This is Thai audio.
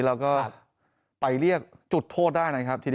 เราก็ไปเรียกจุดโทษได้นะครับที่